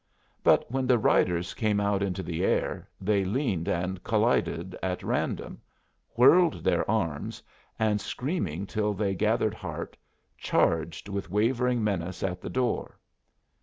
But when the riders came out into the air, they leaned and collided at random, whirled their arms, and, screaming till they gathered heart, charged with wavering menace at the door.